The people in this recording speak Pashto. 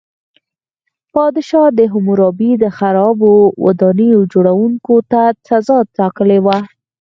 پادشاه هیمورابي د خرابو ودانیو جوړوونکو ته سزا ټاکلې وه.